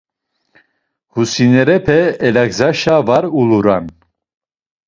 Husinerepe Elagzaşe var uluran.